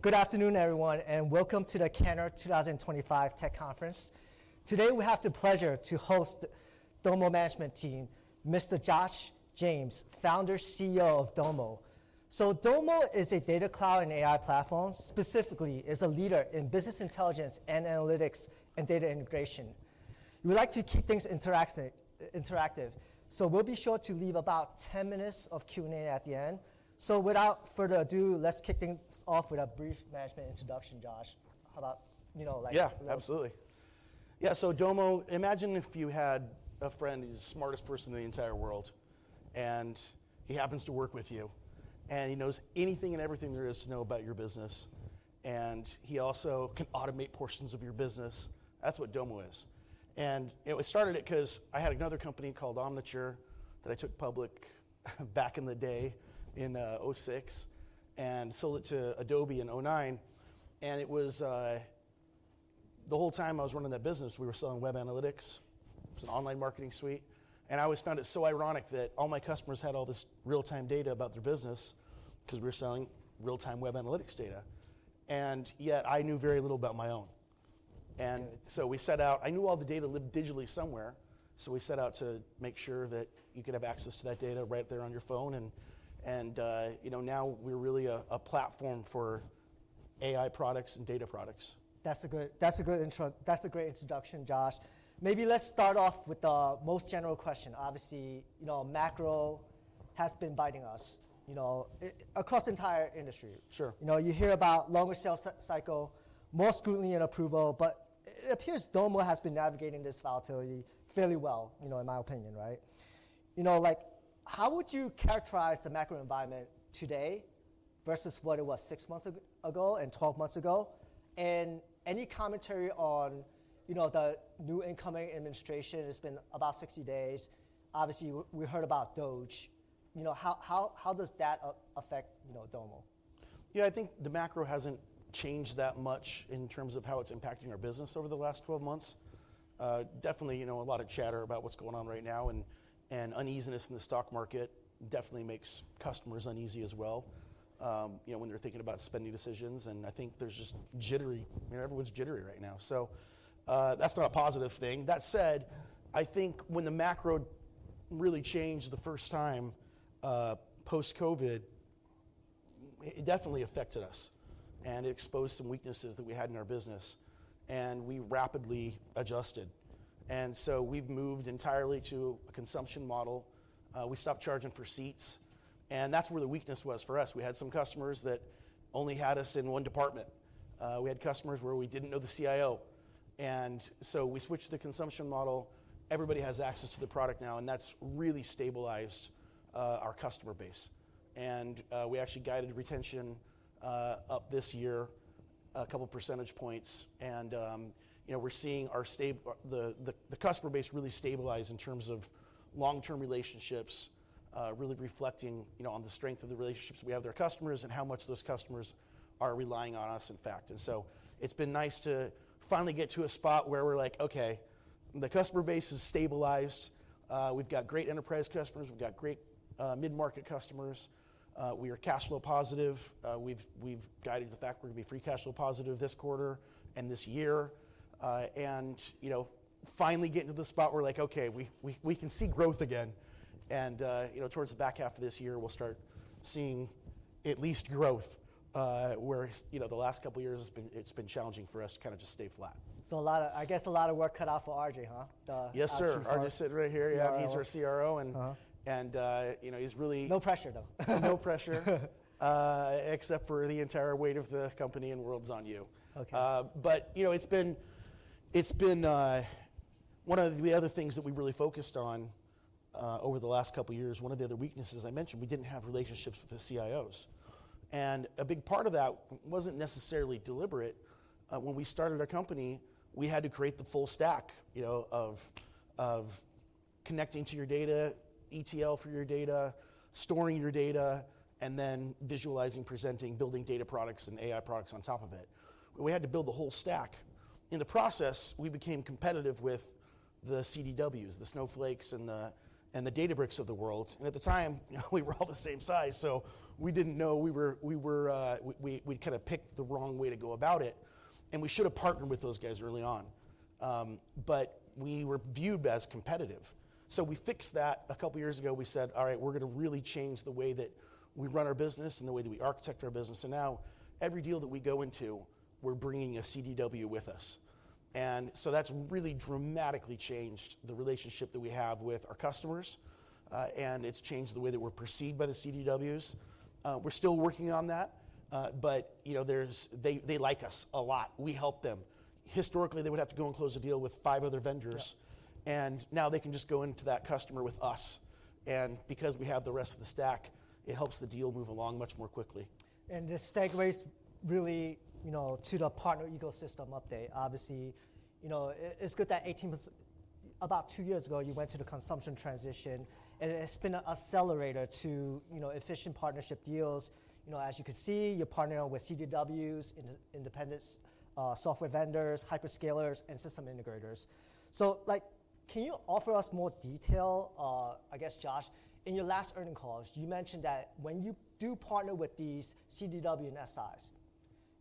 Good afternoon, everyone, and welcome to the Cantor Fitzgerald 2025 Tech Conference. Today, we have the pleasure to host the Domo management team, Mr. Josh James, Founder CEO of Domo. Domo is a data cloud and AI platform. Specifically, it is a leader in business intelligence and analytics and data integration. We like to keep things interactive, so we'll be sure to leave about 10 minutes of Q&A at the end. Without further ado, let's kick things off with a brief management introduction, Josh. How about, you know, like. Yeah, absolutely. Yeah, so Domo, imagine if you had a friend who's the smartest person in the entire world, and he happens to work with you, and he knows anything and everything there is to know about your business, and he also can automate portions of your business. That's what Domo is. It started because I had another company called Omniture that I took public back in the day in 2006 and sold it to Adobe in 2009. The whole time I was running that business, we were selling web analytics. It was an online marketing suite. I always found it so ironic that all my customers had all this real-time data about their business because we were selling real-time web analytics data. Yet, I knew very little about my own. I knew all the data lived digitally somewhere. We set out to make sure that you could have access to that data right there on your phone. And now we're really a platform for AI products and data products. That's a good introduction, Josh. Maybe let's start off with the most general question. Obviously, macro has been biting us across the entire industry. You hear about longer sales cycle, more scrutiny and approval, but it appears Domo has been navigating this volatility fairly well, in my opinion, right? How would you characterize the macro environment today versus what it was six months ago and 12 months ago? Any commentary on the new incoming administration? It's been about 60 days. Obviously, we heard about DOGE How does that affect Domo? Yeah, I think the macro hasn't changed that much in terms of how it's impacting our business over the last 12 months. Definitely, a lot of chatter about what's going on right now and uneasiness in the stock market definitely makes customers uneasy as well when they're thinking about spending decisions. I think there's just jittery. Everyone's jittery right now. That's not a positive thing. That said, I think when the macro really changed the first time post-COVID, it definitely affected us. It exposed some weaknesses that we had in our business. We rapidly adjusted. We've moved entirely to a consumption model. We stopped charging for seats. That's where the weakness was for us. We had some customers that only had us in one department. We had customers where we didn't know the CIO. We switched to the consumption model. Everybody has access to the product now. That's really stabilized our customer base. We actually guided retention up this year a couple percentage points. We're seeing the customer base really stabilize in terms of long-term relationships, really reflecting on the strength of the relationships we have with our customers and how much those customers are relying on us, in fact. It's been nice to finally get to a spot where we're like, OK, the customer base is stabilized. We've got great enterprise customers. We've got great mid-market customers. We are cash flow positive. We've guided the fact we're going to be free cash flow positive this quarter and this year. Finally getting to the spot where we're like, OK, we can see growth again. Towards the back half of this year, we'll start seeing at least growth, where the last couple of years it's been challenging for us to kind of just stay flat. I guess a lot of work cut off for RJ, huh? Yes, sir. RJ's sitting right here. He's our CRO. And he's really. No pressure, though. No pressure, except for the entire weight of the company and world's on you. It has been one of the other things that we really focused on over the last couple of years. One of the other weaknesses I mentioned, we did not have relationships with the CIOs. A big part of that was not necessarily deliberate. When we started our company, we had to create the full stack of connecting to your data, ETL for your data, storing your data, and then visualizing, presenting, building data products and AI products on top of it. We had to build the whole stack. In the process, we became competitive with the CDWs, the Snowflakes, and the Databricks of the world. At the time, we were all the same size. We did not know. We kind of picked the wrong way to go about it. We should have partnered with those guys early on. We were viewed as competitive. We fixed that a couple of years ago. We said, all right, we're going to really change the way that we run our business and the way that we architect our business. Now every deal that we go into, we're bringing a CDW with us. That has really dramatically changed the relationship that we have with our customers. It has changed the way that we're perceived by the CDWs. We're still working on that. They like us a lot. We help them. Historically, they would have to go and close a deal with five other vendors. Now they can just go into that customer with us. Because we have the rest of the stack, it helps the deal move along much more quickly. This segues really to the partner ecosystem update. Obviously, it's good that about two years ago, you went to the consumption transition. It's been an accelerator to efficient partnership deals. As you can see, you're partnering with CDW, independent software vendors, hyperscalers, and system integrators. Can you offer us more detail, I guess, Josh? In your last earning calls, you mentioned that when you do partner with these CDW and SIs,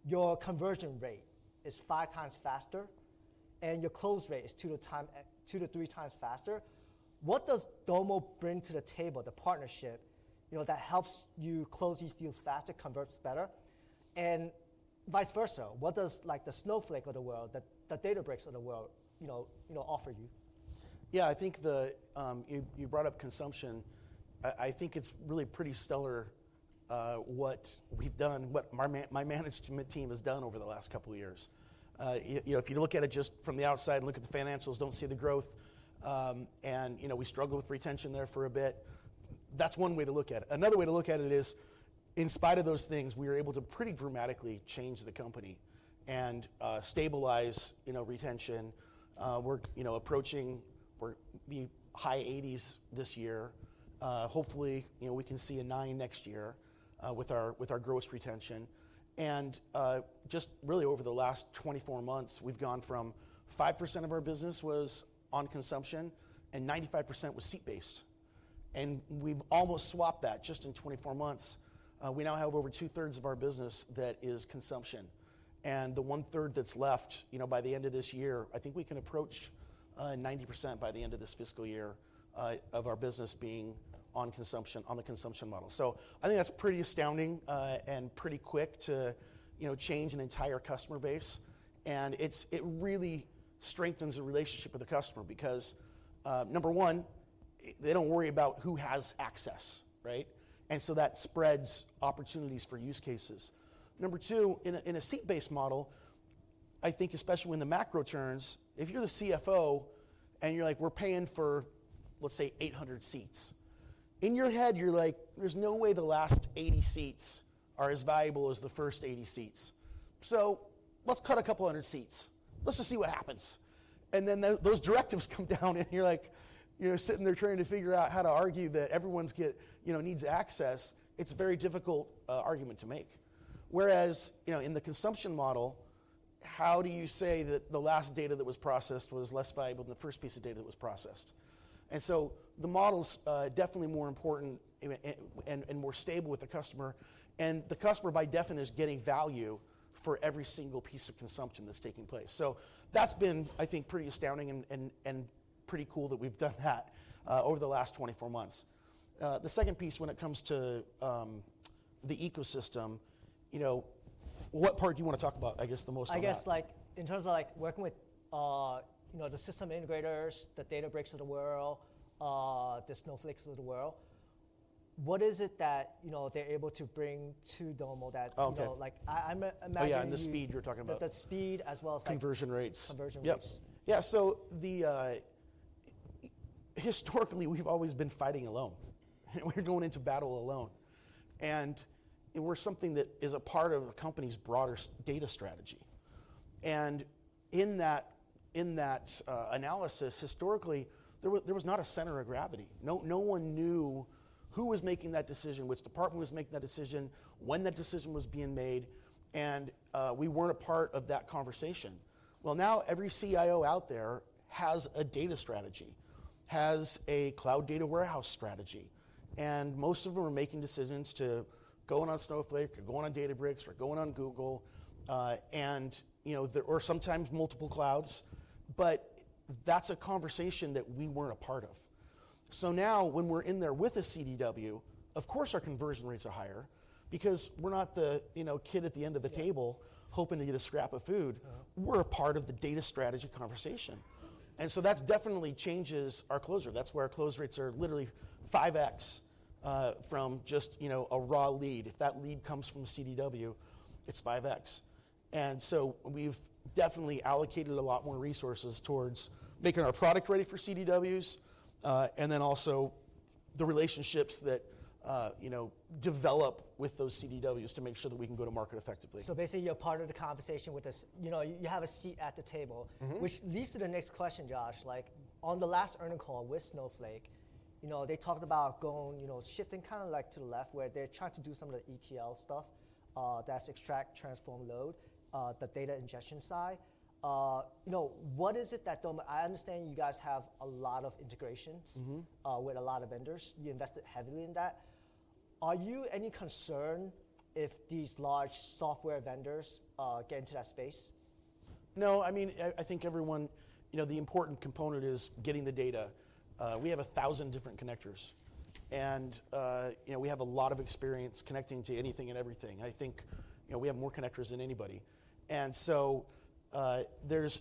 your conversion rate is five times faster and your close rate is two to three times faster. What does Domo bring to the table, the partnership that helps you close these deals faster, converts better? Vice versa, what does the Snowflake of the world, the Databricks of the world, offer you? Yeah, I think you brought up consumption. I think it's really pretty stellar what we've done, what my management team has done over the last couple of years. If you look at it just from the outside and look at the financials, don't see the growth. We struggled with retention there for a bit. That's one way to look at it. Another way to look at it is, in spite of those things, we were able to pretty dramatically change the company and stabilize retention. We're approaching the high 80s this year. Hopefully, we can see a 9 next year with our gross retention. Just really, over the last 24 months, we've gone from 5% of our business was on consumption and 95% was seat-based. We've almost swapped that just in 24 months. We now have over two-thirds of our business that is consumption. The one-third that's left by the end of this year, I think we can approach 90% by the end of this fiscal year of our business being on the consumption model. I think that's pretty astounding and pretty quick to change an entire customer base. It really strengthens the relationship with the customer because, number one, they don't worry about who has access. That spreads opportunities for use cases. Number two, in a seat-based model, I think especially when the macro turns, if you're the CFO and you're like, we're paying for, let's say, 800 seats, in your head, you're like, there's no way the last 80 seats are as valuable as the first 80 seats. Let's cut a couple hundred seats. Let's just see what happens. Those directives come down. You're like sitting there trying to figure out how to argue that everyone needs access. It's a very difficult argument to make. Whereas in the consumption model, how do you say that the last data that was processed was less valuable than the first piece of data that was processed? The model is definitely more important and more stable with the customer. The customer, by definition, is getting value for every single piece of consumption that's taking place. That's been, I think, pretty astounding and pretty cool that we've done that over the last 24 months. The second piece, when it comes to the ecosystem, what part do you want to talk about, I guess, the most? I guess in terms of working with the system integrators, the Databricks of the world, the Snowflake of the world, what is it that they're able to bring to Domo that I'm imagining. Yeah, and the speed you're talking about. The speed as well. Conversion rates. Conversion rates. Yeah. Yeah, so historically, we've always been fighting alone. We're going into battle alone. And we're something that is a part of a company's broader data strategy. In that analysis, historically, there was not a center of gravity. No one knew who was making that decision, which department was making that decision, when that decision was being made. We weren't a part of that conversation. Now every CIO out there has a data strategy, has a cloud data warehouse strategy. Most of them are making decisions to go on Snowflake, or go on Databricks, or go on Google, or sometimes multiple clouds. That's a conversation that we weren't a part of. Now when we're in there with a CDW, of course, our conversion rates are higher because we're not the kid at the end of the table hoping to get a scrap of food. We're a part of the data strategy conversation. That definitely changes our closure. That's where our close rates are literally 5x from just a raw lead. If that lead comes from a CDW, it's 5x. We've definitely allocated a lot more resources towards making our product ready for CDWs and then also the relationships that develop with those CDWs to make sure that we can go to market effectively. Basically, you're part of the conversation with this. You have a seat at the table, which leads to the next question, Josh. On the last earnings call with Snowflake, they talked about shifting kind of to the left, where they're trying to do some of the ETL stuff. That's extract, transform, load, the data ingestion side. What is it that Domo—I understand you guys have a lot of integrations with a lot of vendors. You invested heavily in that. Are you any concerned if these large software vendors get into that space? No, I mean, I think everyone, the important component is getting the data. We have 1,000 different connectors. And we have a lot of experience connecting to anything and everything. I think we have more connectors than anybody. There are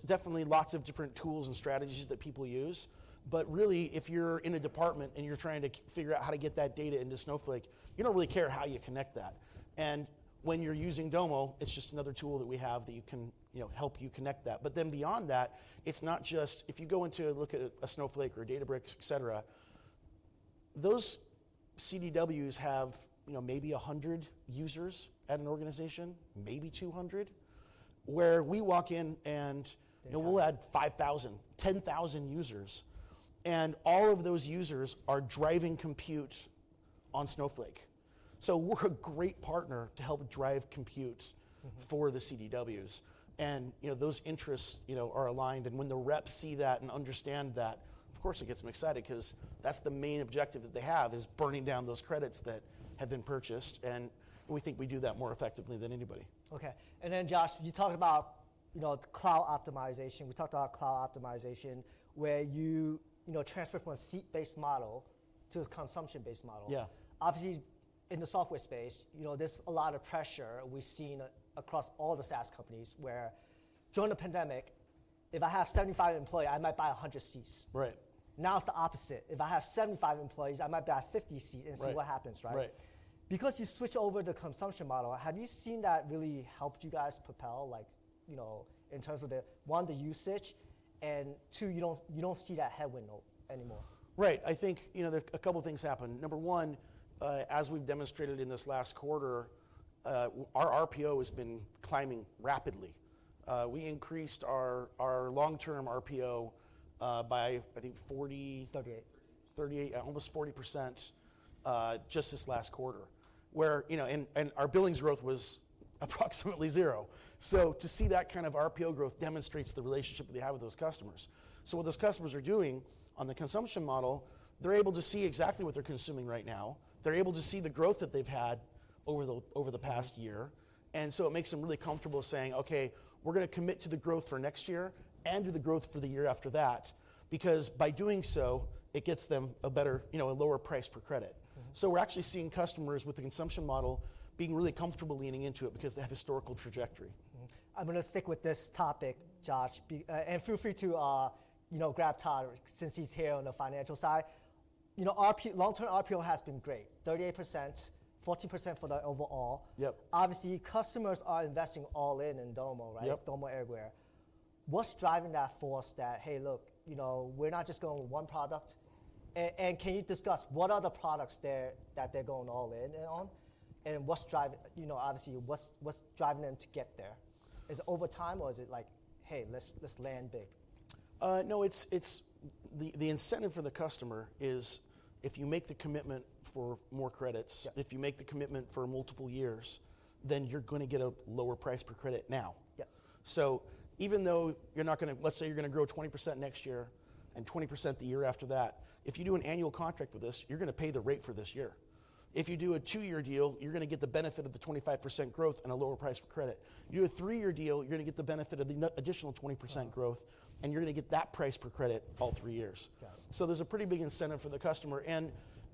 definitely lots of different tools and strategies that people use. Really, if you're in a department and you're trying to figure out how to get that data into Snowflake, you don't really care how you connect that. When you're using Domo, it's just another tool that we have that can help you connect that. Beyond that, it's not just if you go into and look at a Snowflake or a Databricks, et cetera, those CDWs have maybe 100 users at an organization, maybe 200, where we walk in and we'll add 5,000-10,000 users. All of those users are driving compute on Snowflake. We are a great partner to help drive compute for the CDWs. Those interests are aligned. When the reps see that and understand that, of course, it gets them excited because that is the main objective that they have, burning down those credits that have been purchased. We think we do that more effectively than anybody. OK. Josh, you talked about cloud optimization. We talked about cloud optimization, where you transfer from a seat-based model to a consumption-based model. Obviously, in the software space, there is a lot of pressure we have seen across all the SaaS companies, where during the pandemic, if I have 75 employees, I might buy 100 seats. Now it is the opposite. If I have 75 employees, I might buy 50 seats and see what happens, right? Right. Because you switched over to the consumption model, have you seen that really helped you guys propel in terms of, one, the usage, and two, you do not see that headwind anymore? Right. I think a couple of things happened. Number one, as we've demonstrated in this last quarter, our RPO has been climbing rapidly. We increased our long-term RPO by, I think, 38%, almost 40% just this last quarter. Our billings growth was approximately zero. To see that kind of RPO growth demonstrates the relationship that we have with those customers. What those customers are doing on the consumption model, they're able to see exactly what they're consuming right now. They're able to see the growth that they've had over the past year. It makes them really comfortable saying, OK, we're going to commit to the growth for next year and to the growth for the year after that because by doing so, it gets them a lower price per credit. We're actually seeing customers with the consumption model being really comfortable leaning into it because they have historical trajectory. I'm going to stick with this topic, Josh. And feel free to grab Todd, since he's here on the financial side. Long-term RPO has been great, 38%, 14% for the overall. Obviously, customers are investing all in in Domo, right? Domo Everywhere. What's driving that force that, hey, look, we're not just going with one product? And can you discuss what are the products that they're going all in on? And obviously, what's driving them to get there? Is it over time or is it like, hey, let's land big? No, the incentive for the customer is if you make the commitment for more credits, if you make the commitment for multiple years, then you're going to get a lower price per credit now. Even though you're not going to, let's say you're going to grow 20% next year and 20% the year after that, if you do an annual contract with us, you're going to pay the rate for this year. If you do a two-year deal, you're going to get the benefit of the 25% growth and a lower price per credit. You do a three-year deal, you're going to get the benefit of the additional 20% growth, and you're going to get that price per credit all three years. There is a pretty big incentive for the customer, and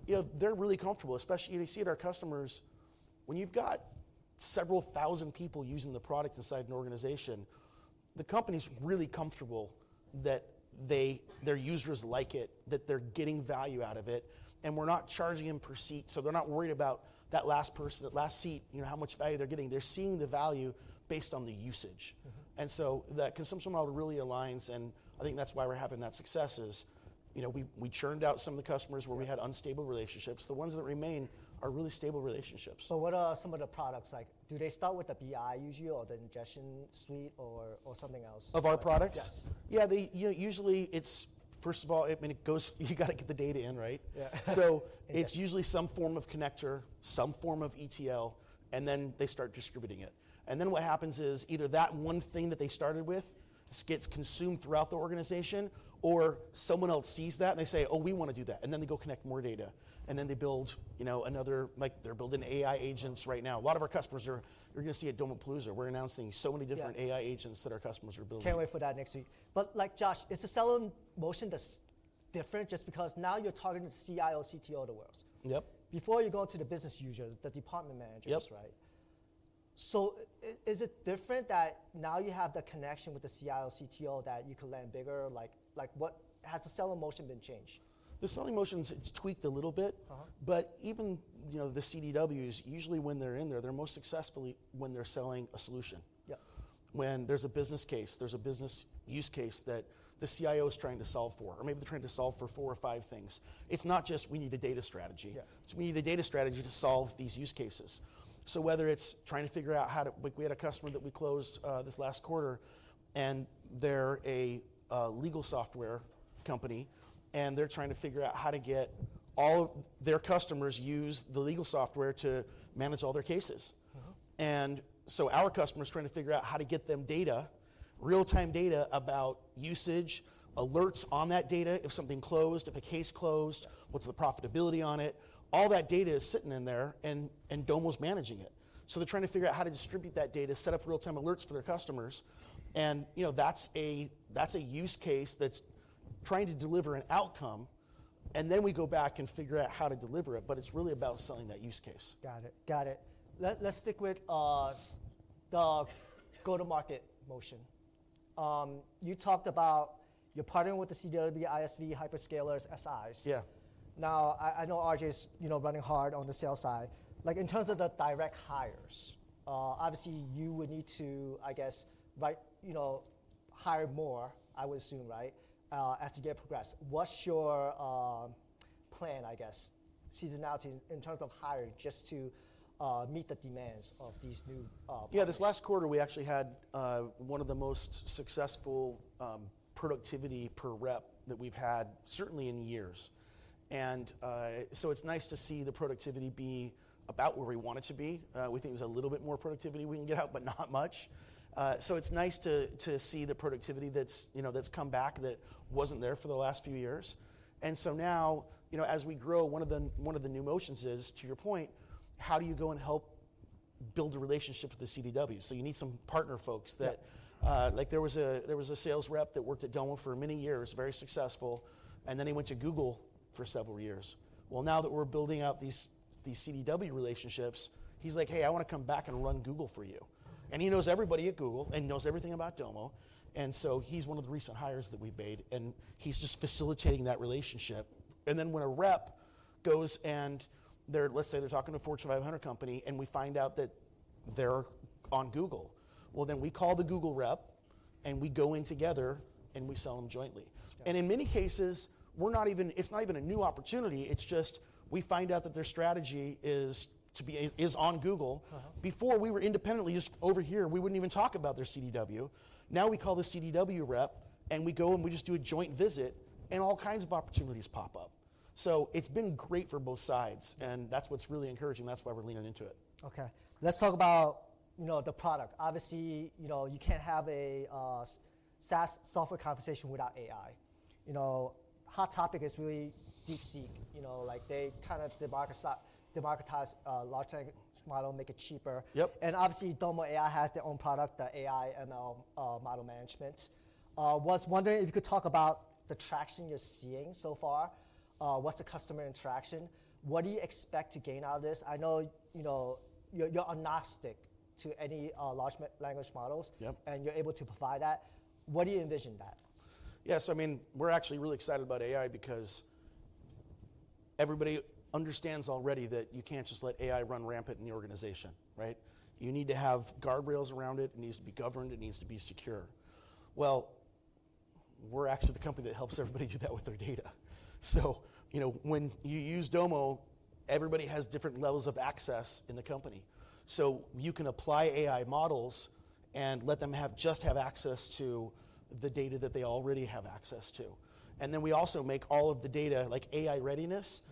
they're really comfortable, especially you see it in our customers. When you've got several thousand people using the product inside an organization, the company's really comfortable that their users like it, that they're getting value out of it. We're not charging them per seat. They're not worried about that last person, that last seat, how much value they're getting. They're seeing the value based on the usage. That consumption model really aligns. I think that's why we're having that success is we churned out some of the customers where we had unstable relationships. The ones that remain are really stable relationships. What are some of the products? Do they start with the BI usually or the ingestion suite or something else? Of our products? Yes. Yeah, usually it's, first of all, you've got to get the data in, right? It's usually some form of connector, some form of ETL, and then they start distributing it. What happens is either that one thing that they started with gets consumed throughout the organization, or someone else sees that and they say, oh, we want to do that. They go connect more data. They build another, they're building AI agents right now. A lot of our customers are, you're going to see at Domopalooza. We're announcing so many different AI agents that our customers are building. Can't wait for that next week. Josh, is the sell-on motion different just because now you're talking to CIO, CTO of the world? Yep. Before, you go to the business user, the department managers, right? Yep. Is it different that now you have the connection with the CIO, CTO that you could land bigger? Has the sell-on motion been changed? The sell-on motion's tweaked a little bit. Even the CDWs, usually when they're in there, they're most successful when they're selling a solution. When there's a business case, there's a business use case that the CIO is trying to solve for, or maybe they're trying to solve for four or five things. It's not just we need a data strategy. We need a data strategy to solve these use cases. Whether it's trying to figure out how to, we had a customer that we closed this last quarter. They're a legal software company, and they're trying to figure out how to get all their customers to use the legal software to manage all their cases. Our customer's trying to figure out how to get them real-time data about usage, alerts on that data, if something closed, if a case closed, what's the profitability on it. All that data is sitting in there. Domo's managing it. They're trying to figure out how to distribute that data, set up real-time alerts for their customers. That's a use case that's trying to deliver an outcome. We go back and figure out how to deliver it. It's really about selling that use case. Got it. Got it. Let's stick with the go-to-market motion. You talked about you're partnering with the CDW, ISV, hyperscalers, SIs. Yeah. Now, I know RJ's running hard on the sales side. In terms of the direct hires, obviously, you would need to, I guess, hire more, I would assume, right, as you get progress. What's your plan, I guess, seasonality in terms of hiring just to meet the demands of these new? Yeah, this last quarter, we actually had one of the most successful productivity per rep that we've had, certainly in years. It is nice to see the productivity be about where we want it to be. We think there's a little bit more productivity we can get out, but not much. It is nice to see the productivity that's come back that wasn't there for the last few years. Now, as we grow, one of the new motions is, to your point, how do you go and help build a relationship with the CDWs? You need some partner folks that there was a sales rep that worked at Domo for many years, very successful. Then he went to Google for several years. Now that we're building out these CDW relationships, he's like, hey, I want to come back and run Google for you. He knows everybody at Google and knows everything about Domo. He is one of the recent hires that we have made. He is just facilitating that relationship. When a rep goes and, let's say, they are talking to a Fortune 500 company, and we find out that they are on Google, we call the Google rep, and we go in together, and we sell them jointly. In many cases, it is not even a new opportunity. We just find out that their strategy is on Google. Before, we were independently just over here. We would not even talk about their CDW. Now we call the CDW rep, and we go and we just do a joint visit, and all kinds of opportunities pop up. It has been great for both sides. That is what is really encouraging. That is why we are leaning into it. OK. Let's talk about the product. Obviously, you can't have a SaaS software conversation without AI. Hot topic is really DeepSeek. They kind of democratize large language models, make it cheaper. And obviously, Domo AI has their own product, the AI/ML model management. I was wondering if you could talk about the traction you're seeing so far, what's the customer interaction? What do you expect to gain out of this? I know you're agnostic to any large language models, and you're able to provide that. What do you envision that? Yeah, so I mean, we're actually really excited about AI because everybody understands already that you can't just let AI run rampant in the organization, right? You need to have guardrails around it. It needs to be governed. It needs to be secure. We're actually the company that helps everybody do that with their data. When you use Domo, everybody has different levels of access in the company. You can apply AI models and let them just have access to the data that they already have access to. We also make all of the data like AI readiness.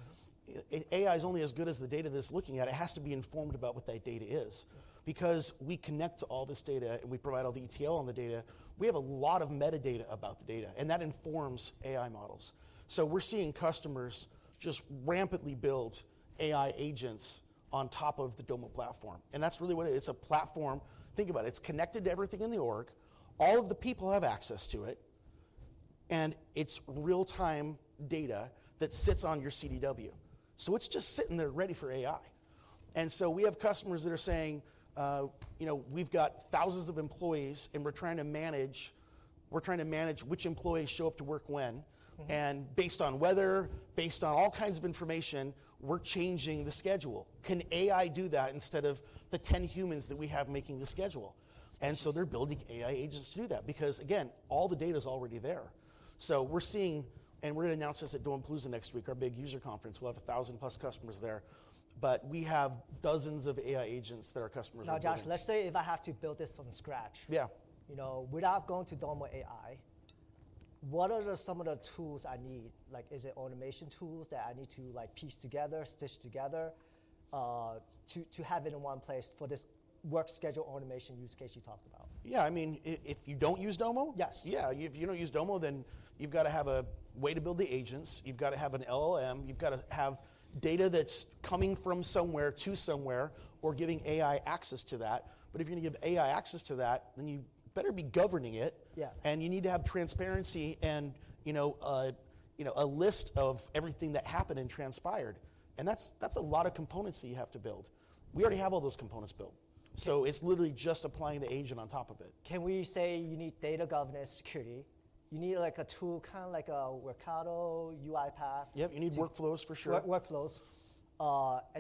AI is only as good as the data that it's looking at. It has to be informed about what that data is. Because we connect to all this data, and we provide all the ETL on the data, we have a lot of metadata about the data. That informs AI models. We are seeing customers just rampantly build AI agents on top of the Domo platform. That is really what it is. It is a platform. Think about it. It is connected to everything in the org. All of the people have access to it. It is real-time data that sits on your CDW. It is just sitting there ready for AI. We have customers that are saying, we have thousands of employees, and we are trying to manage which employees show up to work when. Based on weather, based on all kinds of information, we are changing the schedule. Can AI do that instead of the 10 humans that we have making the schedule? They are building AI agents to do that. Again, all the data is already there. We're seeing, and we're going to announce this at Domo Palooza next week, our big user conference. We'll have 1,000+ customers there. We have dozens of AI agents that our customers are using. Now, Josh, let's say if I have to build this from scratch. Yeah. Without going to Domo AI, what are some of the tools I need? Is it automation tools that I need to piece together, stitch together to have it in one place for this work schedule automation use case you talked about? Yeah, I mean, if you do not use Domo? Yes. Yeah, if you don't use Domo, then you've got to have a way to build the agents. You've got to have an LLM. You've got to have data that's coming from somewhere to somewhere or giving AI access to that. If you're going to give AI access to that, you better be governing it. You need to have transparency and a list of everything that happened and transpired. That's a lot of components that you have to build. We already have all those components built. It's literally just applying the agent on top of it. Can we say you need data governance security? You need a tool kind of like a Workato, UiPath? Yep, you need workflows for sure. Workflows.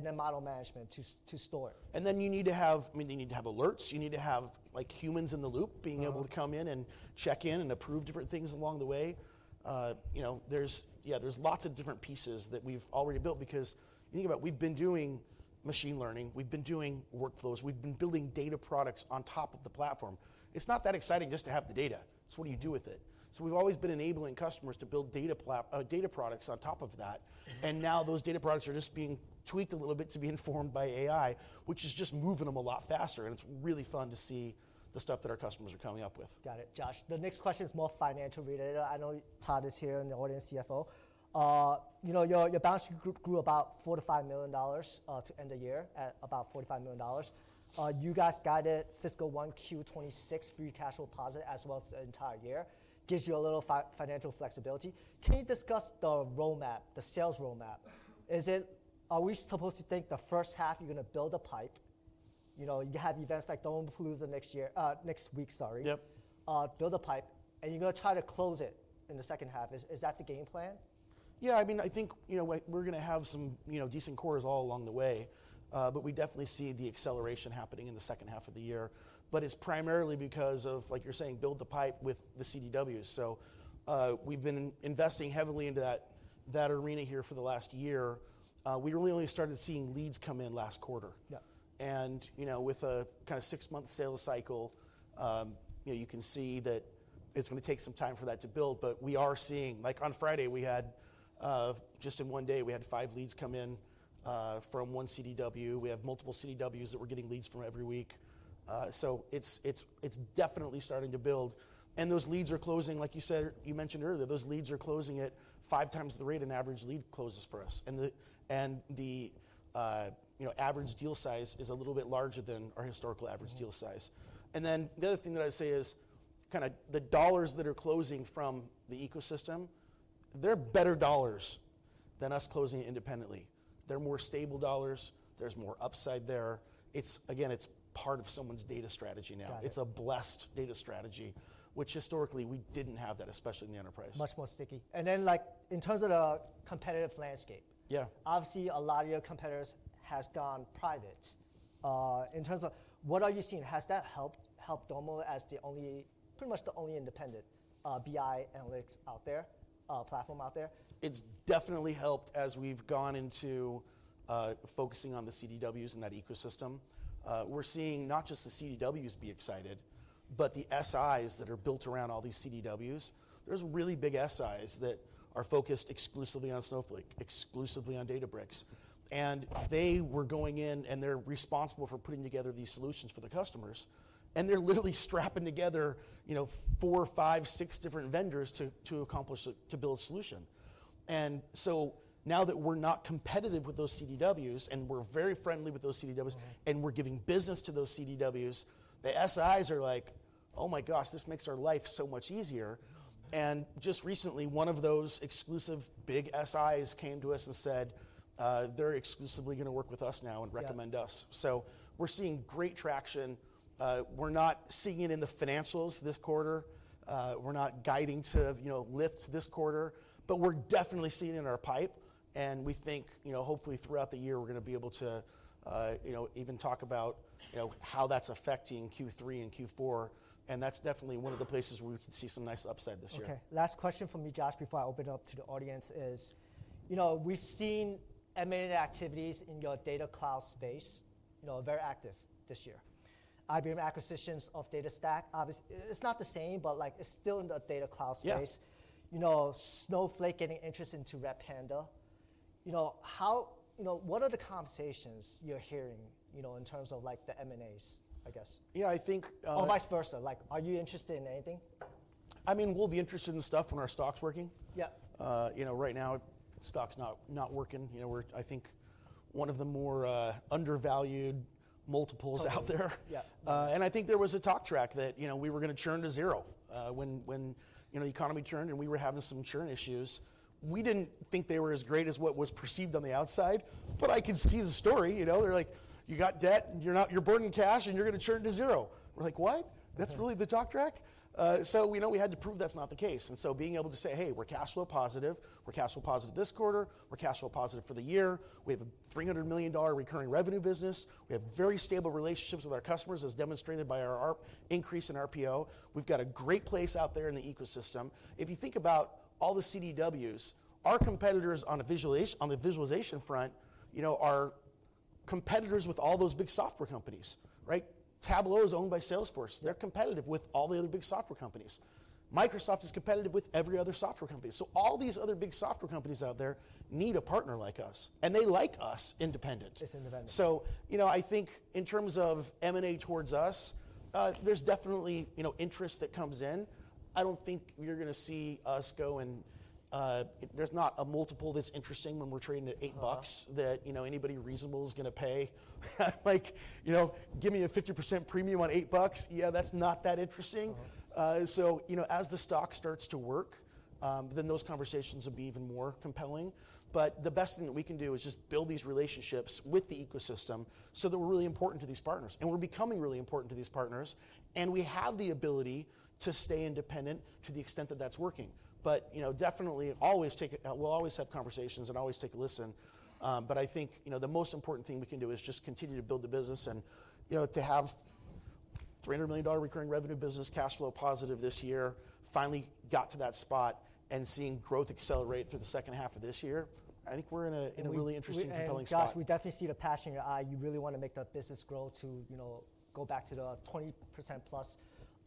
Then model management to store it. You need to have alerts. You need to have humans in the loop being able to come in and check in and approve different things along the way. There are lots of different pieces that we've already built. You think about it, we've been doing machine learning. We've been doing workflows. We've been building data products on top of the platform. It's not that exciting just to have the data. It's what do you do with it? We've always been enabling customers to build data products on top of that. Now those data products are just being tweaked a little bit to be informed by AI, which is just moving them a lot faster. It's really fun to see the stuff that our customers are coming up with. Got it, Josh. The next question is more financial-related. I know Tod is here in the audience, CFO. Your balance sheet grew about $4 million-$5 million to end the year at about $45 million. You guys guided fiscal one Q 2026 free cash deposit as well as the entire year. Gives you a little financial flexibility. Can you discuss the roadmap, the sales roadmap? Are we supposed to think the first half you're going to build a pipe? You have events like Domo Palooza next week, sorry. Yep. Build a pipe. You're going to try to close it in the second half. Is that the game plan? Yeah, I mean, I think we're going to have some decent cores all along the way. We definitely see the acceleration happening in the second half of the year. It is primarily because of, like you're saying, build the pipe with the CDWs. We have been investing heavily into that arena here for the last year. We really only started seeing leads come in last quarter. With a kind of six-month sales cycle, you can see that it's going to take some time for that to build. We are seeing, like on Friday, we had just in one day, we had five leads come in from one CDW. We have multiple CDWs that we're getting leads from every week. It is definitely starting to build. Those leads are closing, like you said, you mentioned earlier, those leads are closing at five times the rate an average lead closes for us. The average deal size is a little bit larger than our historical average deal size. The other thing that I'd say is kind of the dollars that are closing from the ecosystem, they're better dollars than us closing independently. They're more stable dollars. There's more upside there. Again, it's part of someone's data strategy now. It's a blessed data strategy, which historically we didn't have that, especially in the enterprise. Much more sticky. In terms of the competitive landscape, obviously a lot of your competitors have gone private. In terms of what are you seeing, has that helped Domo as pretty much the only independent BI analytics platform out there? It's definitely helped as we've gone into focusing on the CDWs and that ecosystem. We're seeing not just the CDWs be excited, but the SIs that are built around all these CDWs. There are really big SIs that are focused exclusively on Snowflake, exclusively on Databricks. They are going in, and they're responsible for putting together these solutions for the customers. They're literally strapping together four, five, six different vendors to build a solution. Now that we're not competitive with those CDWs, and we're very friendly with those CDWs, and we're giving business to those CDWs, the SIs are like, oh my gosh, this makes our life so much easier. Just recently, one of those exclusive big SIs came to us and said they're exclusively going to work with us now and recommend us. We're seeing great traction. We're not seeing it in the financials this quarter. We're not guiding to lifts this quarter. We're definitely seeing it in our pipe. We think, hopefully, throughout the year, we're going to be able to even talk about how that's affecting Q3 and Q4. That's definitely one of the places where we can see some nice upside this year. OK. Last question from me, Josh, before I open it up to the audience is we've seen M&A activities in your data cloud space very active this year. IBM acquisitions of DataStax, obviously, it's not the same, but it's still in the data cloud space. Snowflake getting interest into Redpanda. What are the conversations you're hearing in terms of the M&As, I guess? Yeah, I think. Or vice versa. Are you interested in anything? I mean, we'll be interested in stuff when our stock's working. Yeah. Right now, stock's not working. We're, I think, one of the more undervalued multiples out there. I think there was a talk track that we were going to churn to zero when the economy churned, and we were having some churn issues. We didn't think they were as great as what was perceived on the outside. I could see the story. They're like, you got debt, and you're burning cash, and you're going to churn to zero. We're like, what? That's really the talk track? We had to prove that's not the case. Being able to say, hey, we're cash flow positive. We're cash flow positive this quarter. We're cash flow positive for the year. We have a $300 million recurring revenue business. We have very stable relationships with our customers, as demonstrated by our increase in RPO. We've got a great place out there in the ecosystem. If you think about all the CDWs, our competitors on the visualization front are competitors with all those big software companies. Tableau is owned by Salesforce. They're competitive with all the other big software companies. Microsoft is competitive with every other software company. All these other big software companies out there need a partner like us. They like us independent. It's independent. I think in terms of M&A towards us, there's definitely interest that comes in. I don't think you're going to see us go and there's not a multiple that's interesting when we're trading at $8 that anybody reasonable is going to pay. Give me a 50% premium on $8. Yeah, that's not that interesting. As the stock starts to work, then those conversations will be even more compelling. The best thing that we can do is just build these relationships with the ecosystem so that we're really important to these partners. We're becoming really important to these partners. We have the ability to stay independent to the extent that that's working. Definitely, we'll always have conversations and always take a listen. I think the most important thing we can do is just continue to build the business. To have a $300 million recurring revenue business, cash flow positive this year, finally got to that spot, and seeing growth accelerate through the second half of this year, I think we're in a really interesting and compelling spot. Josh, we definitely see the passion in your eye. You really want to make that business grow to go back to the 20% plus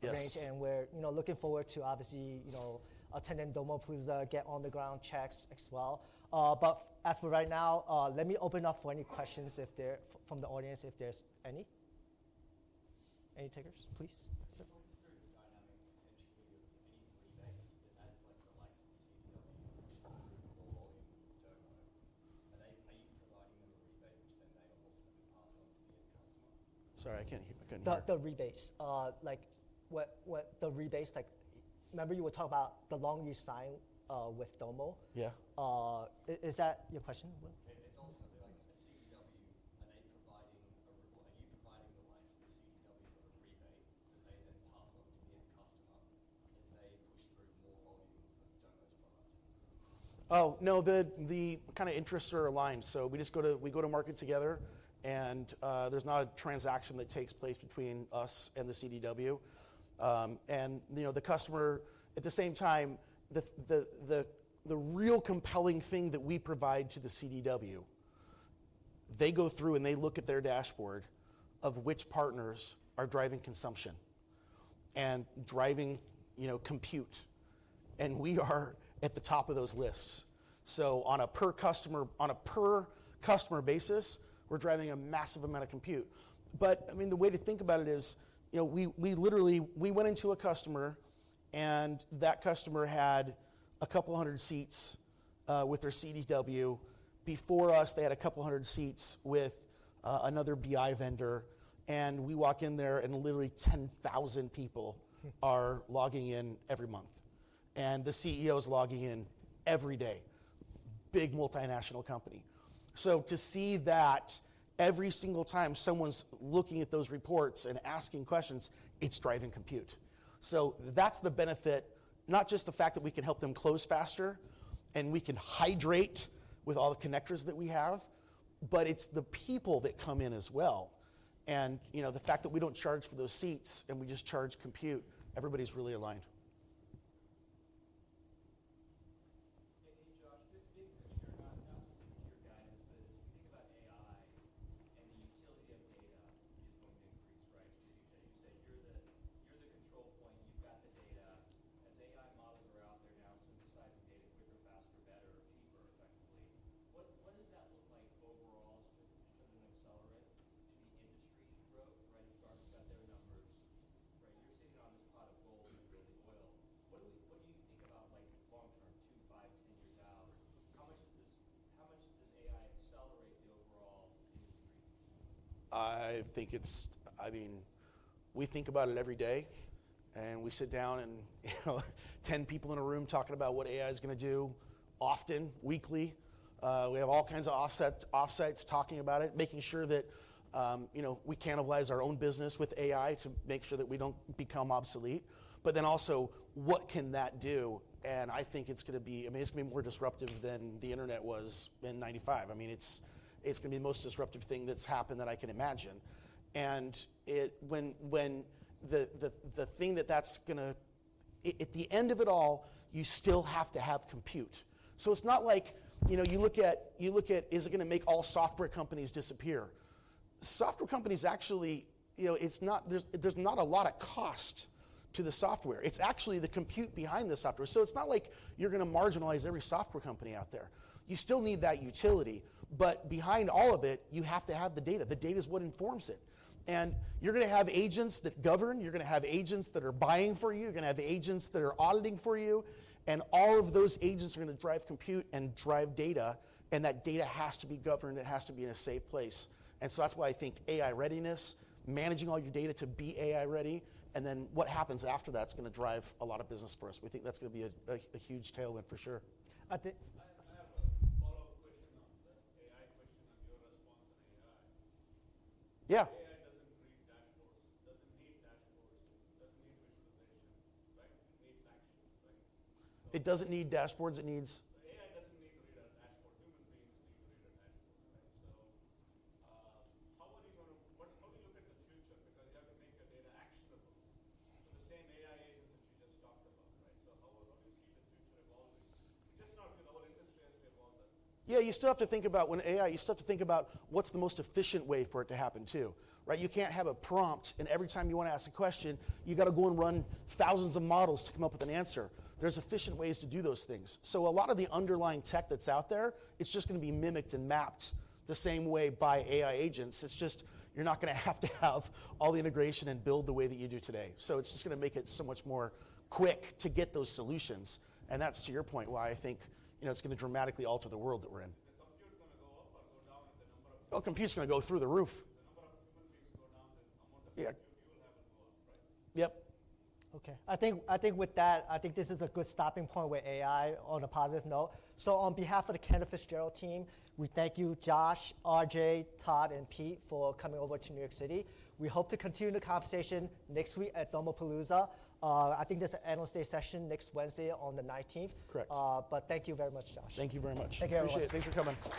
range. We are looking forward to, obviously, attending Domo Palooza, get on-the-ground checks as well. As for right now, let me open up for any questions from the audience if there are any. Any takers? Please. I'm just curious the dynamic potentially of any rebates that that's like the likes of CDW, which is the really low volume from Domo. Are you providing them a rebate which then they are ultimately passing on to the end customer? Sorry, I can't hear. The rebates. Remember you were talking about the longer you sign with Domo? Yeah. Is that your question? It's ultimately like a CDW. Are they providing a rebate? Are you providing the likes of a CDW a rebate that they then pass on to the end customer as they push through more volume of Domo's product? Oh, no, the kind of interests are aligned. We go to market together. There is not a transaction that takes place between us and the CDW. The customer, at the same time, the real compelling thing that we provide to the CDW, they go through and they look at their dashboard of which partners are driving consumption and driving compute. We are at the top of those lists. On a per-customer basis, we are driving a massive amount of compute. I mean, the way to think about it is we went into a customer, and that customer had a couple hundred seats with their CDW. Before us, they had a couple hundred seats with another BI vendor. We walk in there, and literally 10,000 people are logging in every month. The CEO is logging in every day. Big multinational company. To see that every single time someone's looking at those reports and asking questions, it's driving compute. That's the benefit, not just the fact that we can help them close faster and we can hydrate with all the connectors that we have, but it's the people that come in as well. The fact that we don't charge for those seats and we just charge compute, everybody's really aligned. it's going to be the most disruptive thing that's happened that I can imagine. The thing that, at the end of it all, you still have to have compute. It's not like you look at, is it going to make all software companies disappear. Software companies, actually, there's not a lot of cost to the software. It's actually the compute behind the software. It's not like you're going to marginalize every software company out there. You still need that utility. Behind all of it, you have to have the data. The data is what informs it. You're going to have agents that govern. You're going to have agents that are buying for you. You're going to have agents that are auditing for you. All of those agents are going to drive compute and drive data. That data has to be governed. It has to be in a safe place. That's why I think AI readiness, managing all your data to be AI ready, and then what happens after that is going to drive a lot of business for us. We think that's going to be a huge tailwind for sure. I have a follow-up How are you going to, how do you look at the future? Because you have to make your data actionable. The same AI agents that you just talked about. How do you see the future evolving, just not with the whole industry as we evolve that? Yeah, you still have to think about when AI, you still have to think about what's the most efficient way for it to happen, too. You can't have a prompt, and every time you want to ask a question, you've got to go and run thousands of models to come up with an answer. There are efficient ways to do those things. A lot of the underlying tech that's out there, it's just going to be mimicked and mapped the same way by AI agents. You're not going to have to have all the integration and build the way that you do today. It is just going to make it so much more quick to get those solutions. That is, to your point, why I think it's going to dramatically alter the world that we're in. The compute is going to go up or go down in the number of. Oh, compute is going to go through the roof. The number of human beings go down, the amount of compute you will have will go up, right? Yep. OK. I think with that, I think this is a good stopping point with AI on a positive note. On behalf of the Cantor Fitzgerald team, we thank you, Josh, RJ, Tod, and Pete for coming over to New York City. We hope to continue the conversation next week at Domo Palooza. I think there is an analyst day session next Wednesday on the 19th. Correct. Thank you very much, Josh. Thank you very much. Thank you. Appreciate it. Thanks for coming.